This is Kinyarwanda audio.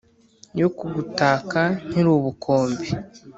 yo kugutaka nkiri ubukombe